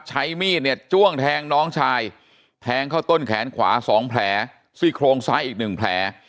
ใช้มีดเนี่ยจ้วงแทงน้องชายแทงเข้าต้นแขนขวา๒แผลซี่โครงซ้ายอีก๑แผล